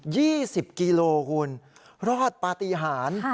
๒๐กิโลกิโลกิโลรอดปฏิหาร